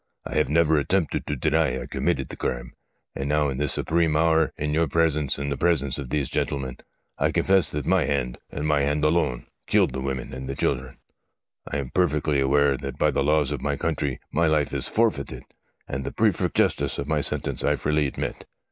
I have never attempted to deny that I committed the crime, and now in this supreme hour, in your presence and the presence of these gentlemen, I confess that my hand, and my hand alone, killed the women and the children. I am perfectly aware that by the laws of my country my life is forfeited, and the perfect justness of my sentence I freely admit.